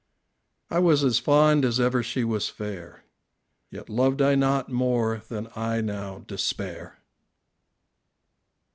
I was as fond as ever she was fair, Yet loved I not more than I now despair.